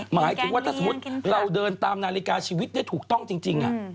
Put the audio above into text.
หมายถึงว่าถ้าสมมุติเราเดินตามนาฬิกาชีวิตได้ถูกต้องจริง